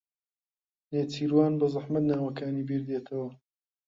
نێچیروان بەزەحمەت ناوەکانی بیردێتەوە.